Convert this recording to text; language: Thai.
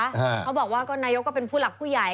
เขาบอกว่าก็นายกก็เป็นผู้หลักผู้ใหญ่